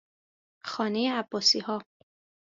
خانه عباسیها